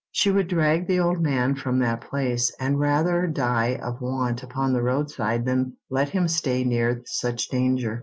She would drag the old man from that place, and rather die of want upon the roadside than let him stay near such danger.